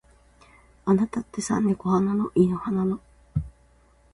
あなたってさ、猫派なの。犬派なの。